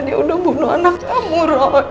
dia udah bunuh anak kamu roy